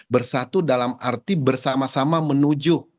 bersatu dalam arti bersama sama menuju